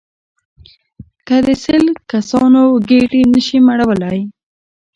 که د سل کسانو ګېډې نه شئ مړولای.